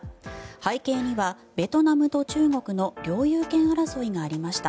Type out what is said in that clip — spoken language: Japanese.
背景にはベトナムと中国の領有権争いがありました。